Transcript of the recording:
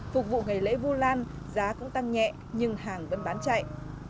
phục vụ ngày lễ vu lan giá cũng tăng nhẹ nhưng hàng vẫn bán chạy